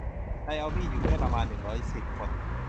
ไดออมีด อยู่แค่ประมาณ หนึ่งร้อยสิบ คน